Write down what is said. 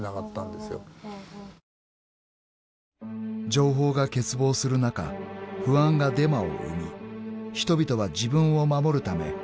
［情報が欠乏する中不安がデマを生み人々は自分を守るため自警団を結成］